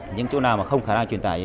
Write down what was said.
những chỗ nào mà không khả năng truyền thải